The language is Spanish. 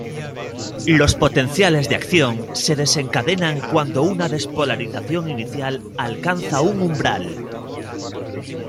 Los potenciales de acción se desencadenan cuando una despolarización inicial alcanza un "umbral".